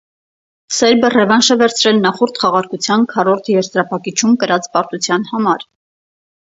Սերբը ռևանշ է վերցրել նախորդ խաղարկության քառորդ եզրափակիչում կրած պարտության համար։